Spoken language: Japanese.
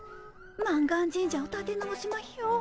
満願神社をたて直しまひょ。